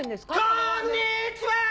「こんにちは！」。